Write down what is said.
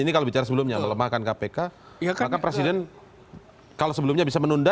ini kalau bicara sebelumnya melemahkan kpk maka presiden kalau sebelumnya bisa menunda